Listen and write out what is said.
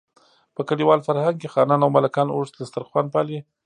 په کلیوال فرهنګ کې خانان او ملکان اوږد دسترخوان پالي.